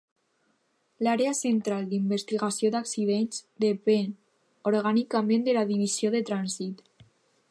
L'Àrea Central d'Investigació d'Accidents depèn orgànicament de la Divisió de Trànsit.